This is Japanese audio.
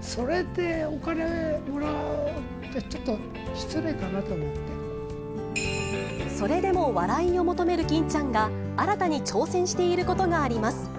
それでお金もらっちゃ、それでも笑いを求める欽ちゃんが、新たに挑戦していることがあります。